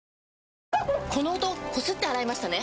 この音こすって洗いましたね？